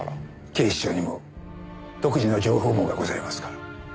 警視庁にも独自の情報網がございますから。